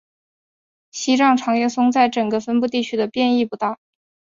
西藏长叶松在整个分布地区的变异不大。